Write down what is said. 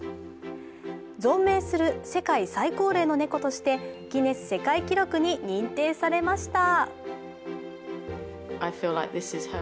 存命する世界最高齢の猫としてギネス世界記録に認定されました。